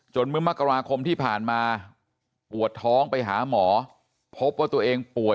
เมื่อมกราคมที่ผ่านมาปวดท้องไปหาหมอพบว่าตัวเองป่วย